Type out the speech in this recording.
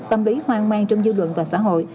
tâm lý hoang mang trong dư luận và xã hội